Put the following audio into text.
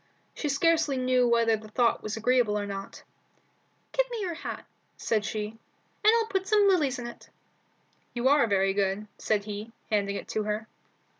She scarcely knew whether the thought was agreeable or not. "Give me your hat," she said, "and I'll put some lilies in it." "You are very good," said he, handing it to her.